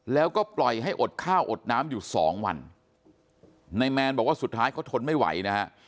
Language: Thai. แล้วก็ปล่อยให้อดข้าวอดน้ำอยู่สองวันนายแมนบอกว่าสุดท้ายเขาทนไม่ไหวนะฮะ